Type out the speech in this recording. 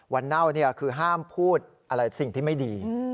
วันเน่าคือห้ามพูดสิ่งที่ไม่ดี